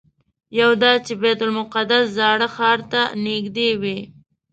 یو دا چې بیت المقدس زاړه ښار ته نږدې وي.